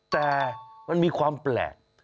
แต่มันมีความแปลก